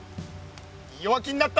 弱気になった！